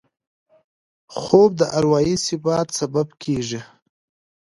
خوب د اروايي ثبات سبب کېږي